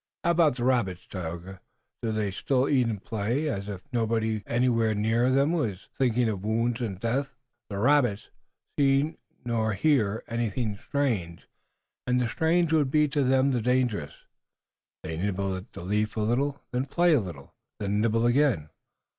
How about the rabbits, Tayoga? Do they still eat and play, as if nobody anywhere near them was thinking of wounds and death?" "The rabbits neither see nor hear anything strange, and the strange would be to them the dangerous. They nibble at the leaves a little, then play a little, then nibble again."